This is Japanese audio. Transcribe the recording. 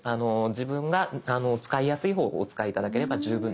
自分が使いやすい方法をお使い頂ければ十分です。